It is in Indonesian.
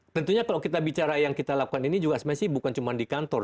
tentunya kalau kita bicara yang kita lakukan ini juga sebenarnya bukan cuma di kantor